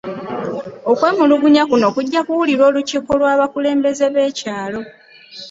Okwemulugunya kuno kujja kuwulirwa olukiiko lw’abakulembeze b’ekyalo.